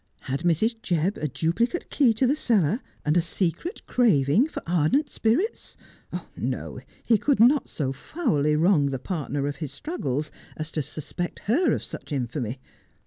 Had Mrs. Jebb a duplicate key to the cellar, and a secret craving for ardent spirits ? No, he could not so foully wrong the partner of his struggles as to suspect her of such infamy.